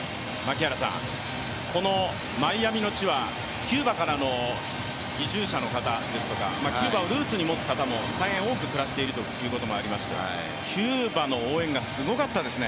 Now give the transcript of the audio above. このマイアミの地はキューバからの移住者の方ですとかキューバをルーツに持つ方が多く暮らしているということもあってキューバの応援がすごかったですね。